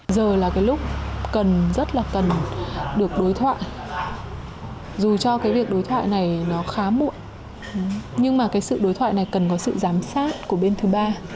giờ là cái lúc rất là cần được đối thoại dù cho cái việc đối thoại này nó khá muộn nhưng mà cái sự đối thoại này cần có sự giám sát của bên thứ ba